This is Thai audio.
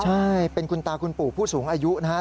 ใช่เป็นคุณตาคุณปู่ผู้สูงอายุนะครับ